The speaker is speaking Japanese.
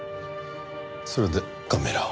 それでカメラを。